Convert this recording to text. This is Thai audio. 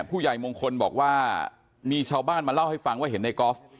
ผู้ใหญ่มงคลบอกว่ามีชาวบ้านมาเล่าให้ฟังว่าเห็นในกอล์ฟ